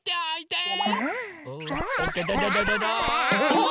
うわ！